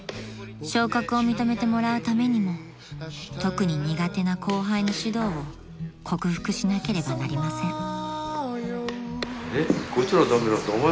［昇格を認めてもらうためにも特に苦手な後輩の指導を克服しなければなりません］